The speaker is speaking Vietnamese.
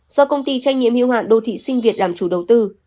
do công ty trách nhiệm hiệu hạn đô thị sinh việt làm chủ đầu tư